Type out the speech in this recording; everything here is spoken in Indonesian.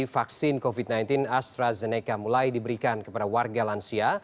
vaksin covid sembilan belas astrazeneca mulai diberikan kepada warga lansia